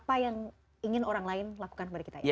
apa yang ingin orang lain lakukan kepada kita ya